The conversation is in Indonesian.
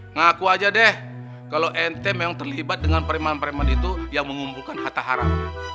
ngaku aja deh kalau ente memang terlibat dengan preman preman itu yang mengumpulkan kata haram